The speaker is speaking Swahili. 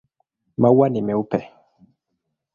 Maua ni meupe.